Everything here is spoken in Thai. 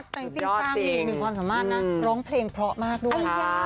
จริงความสามารถนะร้องเพลงเพราะมากด้วยค่ะ